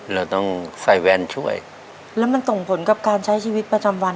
เราต้องใส่แวนช่วยแล้วมันส่งผลกับการใช้ชีวิตประจำวัน